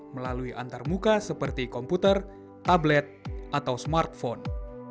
melalui antarmuka seperti komputer tablet atau smartphone